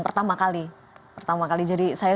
pertama kali jadi saya